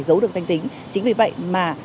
giấu được danh tính chính vì vậy mà